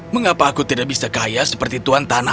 mengapa aku tidak bisa kaya seperti tuan tanah